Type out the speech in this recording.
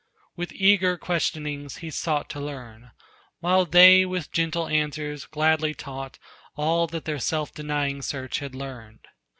With eager questionings he sought to learn, While they with gentle answers gladly taught All that their self denying search had learned.